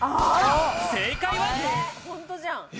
正解は。